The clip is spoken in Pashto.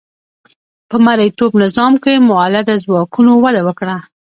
په مرئیتوب نظام کې مؤلده ځواکونو وده وکړه.